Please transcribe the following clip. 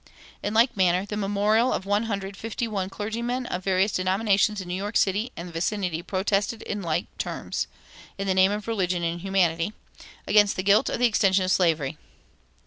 In like manner the memorial of one hundred and fifty one clergymen of various denominations in New York City and vicinity protested in like terms, "in the name of religion and humanity," against the guilt of the extension of slavery.